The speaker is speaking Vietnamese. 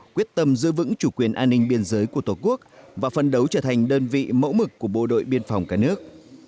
quyết tâm giữ vững chủ quyền an ninh biên giới của tổ quốc và phân đấu trở thành đơn vị mẫu mực của bộ đội biên phòng cả nước